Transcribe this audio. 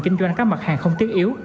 kinh doanh các mặt hàng không tiết yếu